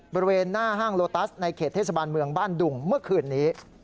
บริเวณหน้าห้างโลตัสในเขตเทศบาลเมืองบ้านดุงเมื่อคืนนี้